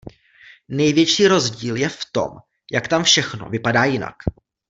Největší rozdíl je v tom, jak tam všechno vypadá jinak.